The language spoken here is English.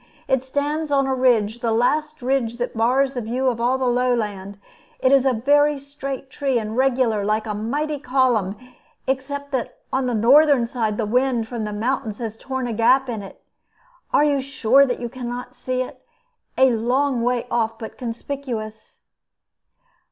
It stands on a ridge, the last ridge that bars the view of all the lowland. It is a very straight tree, and regular, like a mighty column, except that on the northern side the wind from the mountains has torn a gap in it. Are you sure that you can not see it a long way off, but conspicuous?"